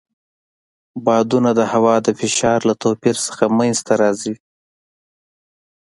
بادونه د هوا د فشار له توپیر څخه منځته راځي.